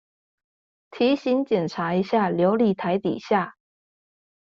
提醒檢查一下流理台底下